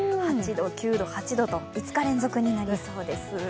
８度、９度、８度と５日連続になりそうです。